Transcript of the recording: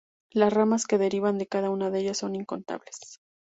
Las ramas que derivan de cada una de ellas son incontables.